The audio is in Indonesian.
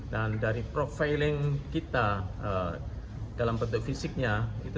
dan dari profiling kita dalam bentuk fisiknya